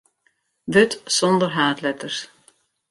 Wurd sonder haadletters.